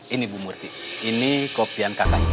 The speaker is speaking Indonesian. ini bu murthy ini kopian kakak